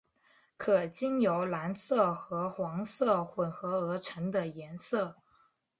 可经由蓝色和黄色混和而成的颜色。